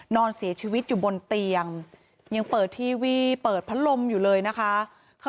นอนเสียชีวิตอยู่บนเตียงยังเปิดทีวีเปิดพัดลมอยู่เลยนะคะ